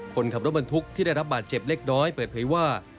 คนขับรถบรรทุกที่ได้รับบาดเจ็บเล็กน้อยเปิดเผยว่า